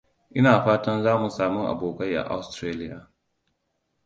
Ina fatan za mu sami abokai a Austaralia.